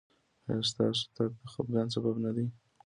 ایا ستاسو تګ د خفګان سبب نه دی؟